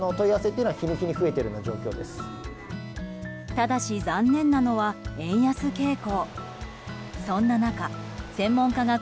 ただし、残念なのは円安傾向。